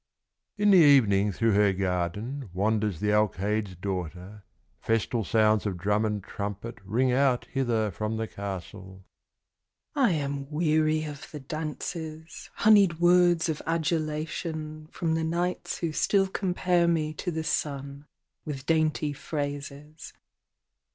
In the evening through her garden Wanders the Alcalde's daughter; Festal sounds of drum and trumpet Ring out hither from the castle. "I am weary of the dances, Honeyed words of adulation From the knights who still compare me To the sun, with dainty phrases.